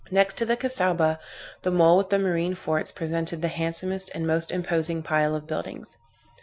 Next to the Cassaubah, the mole with the marine forts, presented the handsomest and most imposing pile of buildings.